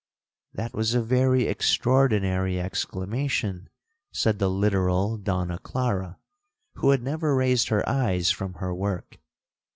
'That was a very extraordinary exclamation!' said the literal Donna Clara, who had never raised her eyes from her work.